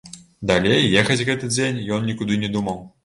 Далей ехаць гэты дзень ён нікуды не думаў.